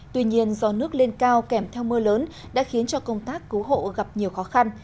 tuy nhiên do nước lên cao kèm theo mưa lớn đã khiến cho công tác cứu hộ gặp nhiều khó khăn